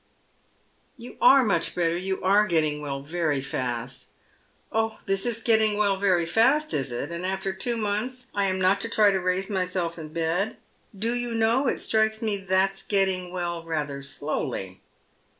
" You are much better — you are getting well very fast." •Oh, this is getting well very fast, is it? And after two months I am not to try to raise myself in my bed. Do you know, it strikes me that's getting well rather slowly."